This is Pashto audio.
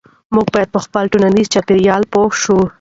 موږ باید په خپل ټولنیز چاپیریال پوه سو.